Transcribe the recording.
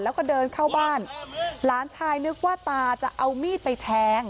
แล้วก็เดินเข้าบ้านหลานชายนึกว่าตาจะเอามีดไปแทง